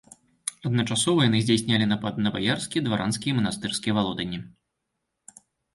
Адначасова яны здзяйснялі напады на баярскія, дваранскія і манастырскія валодання.